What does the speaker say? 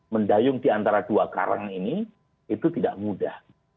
mendayung diantara dua karang ini itu tidak mudah